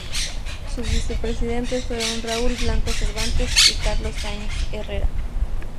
Sus vicepresidentes fueron Raúl Blanco Cervantes y Carlos Sáenz Herrera.